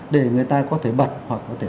để người ta có thể bật hoặc có thể